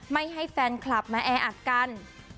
ไม่ให้แฟนคลับมาแออัดกัน